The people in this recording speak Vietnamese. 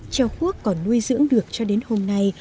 trèo khuốc còn nuôi dưỡng được cho đến hôm nay